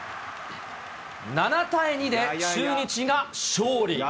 ７対２で中日が勝利。